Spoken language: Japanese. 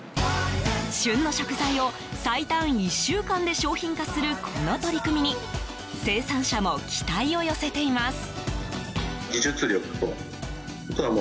旬の食材を、最短１週間で商品化するこの取り組みに生産者も期待を寄せています。